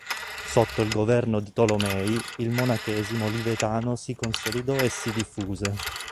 Sotto il governo di Tolomei il monachesimo olivetano si consolidò e si diffuse.